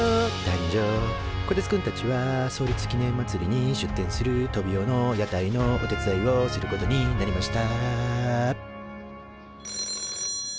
こてつくんたちは創立記念まつりに出店するトビオの屋台のお手伝いをすることになりました